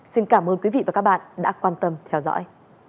xin cảm ơn quý vị và các bạn đã quan tâm theo dõi